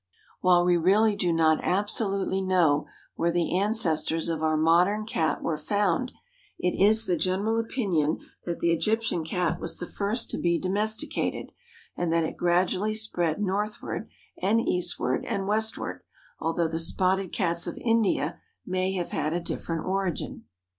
While we really do not absolutely know where the ancestors of our modern Cat were found, it is the general opinion that the Egyptian Cat was the first to be domesticated and that it gradually spread northward and eastward and westward, although the spotted Cats of India may have had a different origin.